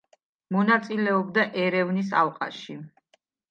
მონაწილეობდა ერევნის ალყაში.